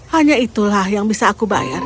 hanya itulah yang bisa aku bayar